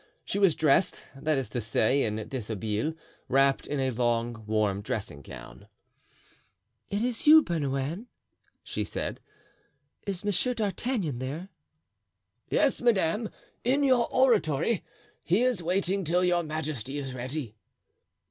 She was dressed, that is to say, in dishabille, wrapped in a long, warm dressing gown. "It is you, Bernouin," she said. "Is Monsieur d'Artagnan there?" "Yes, madame, in your oratory. He is waiting till your majesty is ready."